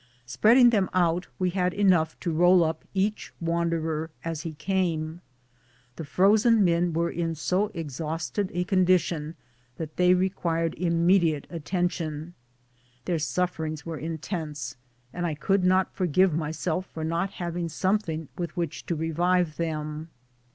Spreading them out, we had enough to roll up each wanderer as he came. The frozen men were in so exhausted a condition that they required immediate at tention. Their sufferings were intense, and I could not forgive myself for not having something with which to revive them.